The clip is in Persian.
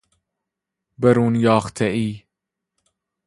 برون یاختهای